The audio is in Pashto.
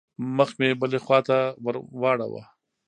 مخ مې بلې خوا ته واړاوه.